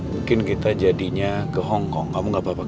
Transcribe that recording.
mungkin kita jadinya ke hongkong kamu gak apa apa